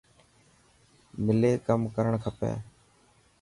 ملي ڪم ڪرڻ کپي.